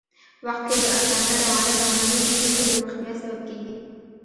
وخت کي د اسانۍ، روانۍ او مانیزو ستونزو د مخنیوي سبب کېږي.